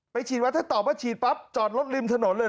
ฉีดวัดถ้าตอบว่าฉีดปั๊บจอดรถริมถนนเลย